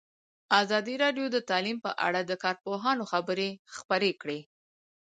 ازادي راډیو د تعلیم په اړه د کارپوهانو خبرې خپرې کړي.